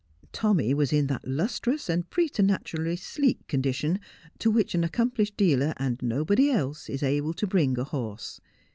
Tommy was in that lustrous and preternaturally sleek con dition to which an accomplished dealer, and nobody else, is able to bring a horse.